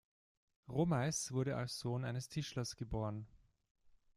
Romeis wurde als Sohn eines Tischlers geboren.